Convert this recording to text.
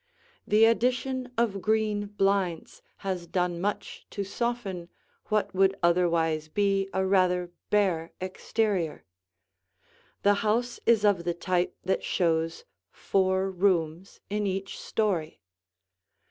The addition of green blinds has done much to soften what would otherwise be a rather bare exterior. The house is of the type that shows four rooms in each story.